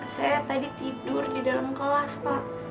saya tadi tidur di dalam kelas pak